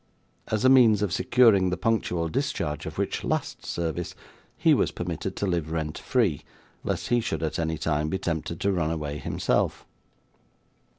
As a means of securing the punctual discharge of which last service he was permitted to live rent free, lest he should at any time be tempted to run away himself.